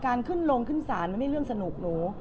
การขึ้นลงขึ้นศาลมันไม่เรื่องสนุกหนู